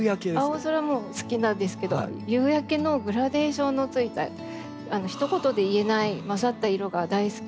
青空も好きなんですけど夕焼けのグラデーションのついた一言で言えない混ざった色が大好きで。